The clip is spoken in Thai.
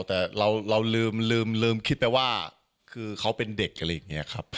แต่เราลืมคิดไปว่าคือเขาเป็นเด็กอะไรอย่างนี้ครับ